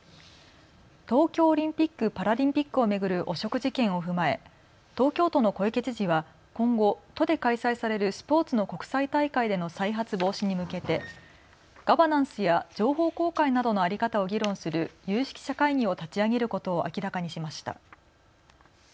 東京オリンピック・パラリンピックを巡る汚職事件を踏まえ、東京都の小池知事は今後都で開催されるスポーツの国際大会での再発防止に向けてガバナンスや情報公開などの在り方を議論する有識者会議を立ち上げることを明らかにしました。